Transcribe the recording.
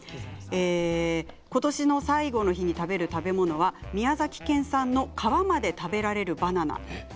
ことしの最後の日に食べる食べ物は宮崎県産の皮まで食べられるバナナ。